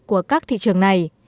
của các thị trường này